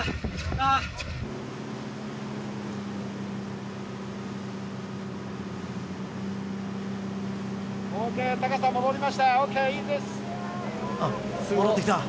あ戻ってきた。